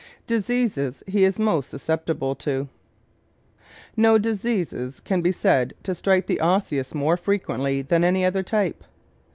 Diseases He is Most Susceptible To ¶ No diseases can be said to strike the Osseous more frequently than any other type.